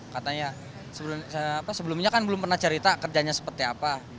katanya sebelumnya kan belum pernah cerita kerjanya seperti apa